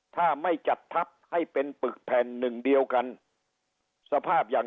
ถ้าไม่จัดทัพให้เป็นปึกแผ่นหนึ่งเดียวกันสภาพอย่าง